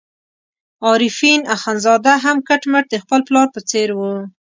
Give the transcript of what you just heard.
عارفین اخندزاده هم کټ مټ د خپل پلار په څېر وو.